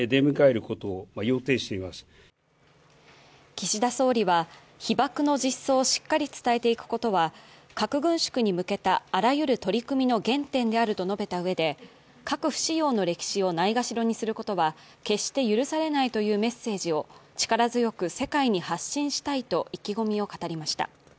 岸田総理は、被爆の実相をしっかり伝えていくことは核軍縮に向けたあらゆる取り組みの原点であると述べたうえで、核不使用の歴史をないがしろにすることは決して許されないというメッセージを力強く世界に発信したいと意気込みを語りました。